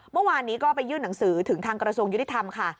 เมื่อวานนี้ก็ไปยื่นหนังสือถึงทางกระทรวงยุติธรรมค่ะ